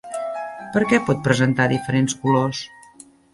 Per què pot presentar diferents colors?